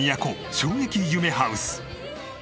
衝撃夢ハウス。